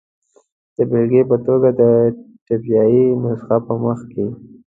د بېلګې په توګه، د ټایپي نسخې په مخ کې.